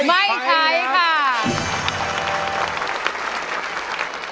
ไม่ใช้ค่ะ